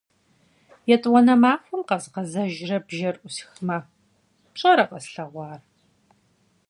ЕтӀуанэ махуэм къэзгъэзэжрэ бжэр Ӏусхмэ, пщӀэрэ къэслъэгъуар?